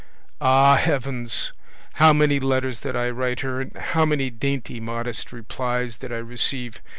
Ah heavens! how many letters did I write her, and how many dainty modest replies did I receive!